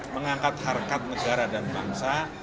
mengangkat harkat negara dan bangsa